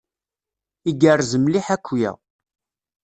Igerrez mliḥ akya.